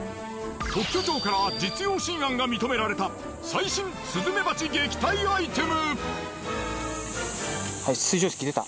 特許庁から実用新案が認められた最新スズメバチ撃退アイテム。